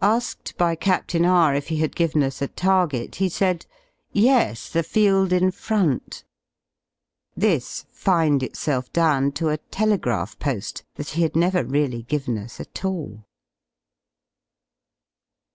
Asked by Captain R if he had given us a target, he said "Yes, the field in front!" This lined itself down to a telegraph pob^ that he had never really given us at all